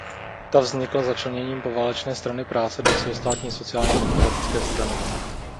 Ta vznikla začleněním poválečné Strany práce do celostátní sociálně demokratické strany.